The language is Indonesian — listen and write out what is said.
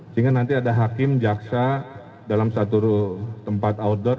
sehingga nanti ada hakim jaksa dalam satu tempat outdoor